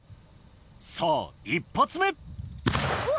さぁ１発目うわ！